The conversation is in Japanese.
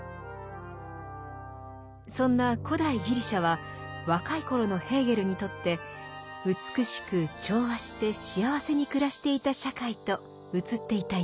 そんな古代ギリシャは若い頃のヘーゲルにとって「美しく調和して幸せに暮らしていた社会」と映っていたようです。